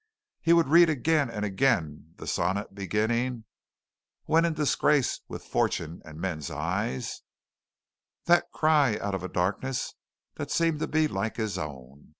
He would read again and again the sonnet beginning, "When in disgrace with fortune and men's eyes" that cry out of a darkness that seemed to be like his own.